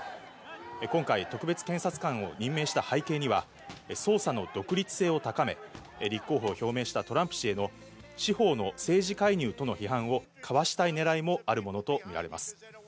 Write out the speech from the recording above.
今回、特別検察官を任命した背景には捜査の独立性を高め、立候補を表明したトランプ氏への司法の政治介入との批判をかわしたいねらいもあるものと見られます。